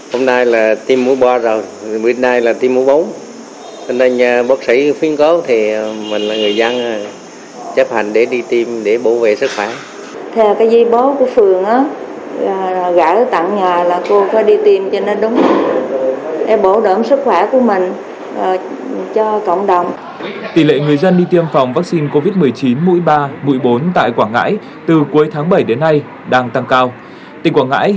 hôm nay là tiêm mũi ba rồi